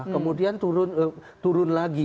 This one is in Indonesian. kemudian turun lagi